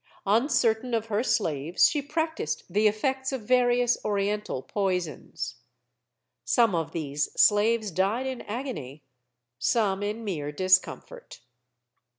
On certain of her slaves she practiced the effects of various Oriental poisons. Some of these slaves died in agony, some in mere discomfort.